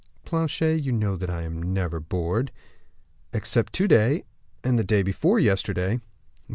"Planchet, you know that I am never bored." "Except to day, and the day before yesterday."